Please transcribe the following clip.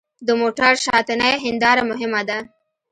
د موټر شاتنۍ هېنداره مهمه ده.